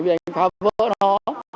vì anh phá vỡ nó